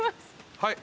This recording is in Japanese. はい。